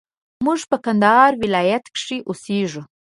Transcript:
موږ په کندهار ولايت کښي اوسېږو